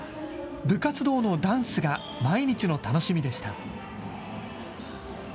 部活動のダンスが毎日の楽しみでした。